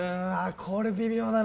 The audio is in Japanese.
これ、微妙だな。